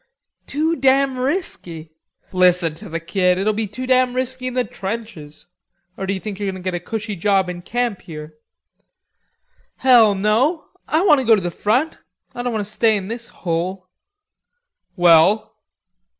"Too damn risky!" "Listen to the kid. It'll be too damn risky in the trenches.... Or do you think you're goin' to get a cushy job in camp here?" "Hell, no! I want to go to the front. I don't want to stay in this hole." "Well?"